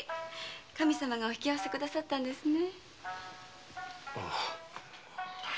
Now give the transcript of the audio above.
神様がお引き合わせくださったんですね。